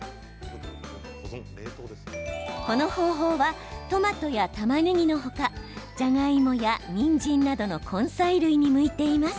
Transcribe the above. この方法はトマトやたまねぎの他じゃがいもや、にんじんなどの根菜類に向いています。